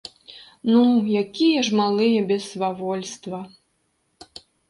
Ну, якія ж малыя без свавольства!